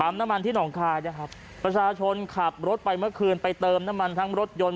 น้ำมันที่หนองคายนะครับประชาชนขับรถไปเมื่อคืนไปเติมน้ำมันทั้งรถยนต์